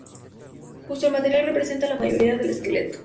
Junto el material representa la mayoría del esqueleto.